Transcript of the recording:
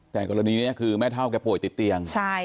แต่กรณีนี้คือแม่เท่าแกป่วยติดเตียง